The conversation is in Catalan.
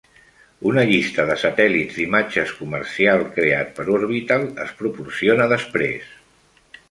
Una llista de satèl·lits d'imatges comercial creat per Orbital es proporciona després.